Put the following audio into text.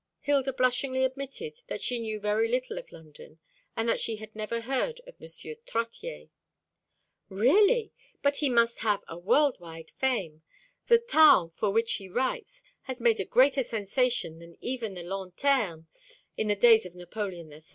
Hilda blushingly admitted that she knew very little of London, and that she had never heard of M. Trottier. "Really! But he must have a world wide fame. The Taon, for which he writes, has made a greater sensation than even the Lanterne in the days of Napoleon III.